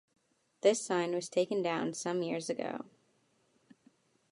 This sign was taken down some years ago.